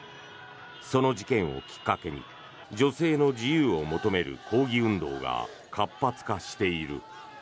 その事件をきっかけに女性の自由を求める抗議運動が活発化している。